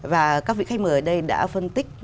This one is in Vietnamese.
và các vị khách mời ở đây đã phân tích